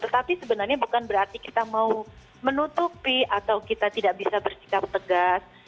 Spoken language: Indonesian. tetapi sebenarnya bukan berarti kita mau menutupi atau kita tidak bisa bersikap tegas